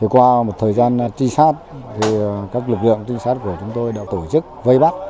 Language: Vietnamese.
qua một thời gian trinh sát các lực lượng tinh sát của chúng tôi đã tổ chức vây bắt